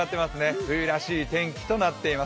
冬らしい天気となっています。